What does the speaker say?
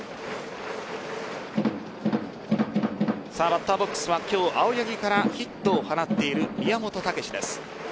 バッターボックスは今日、青柳からヒットを放っている宮本丈です。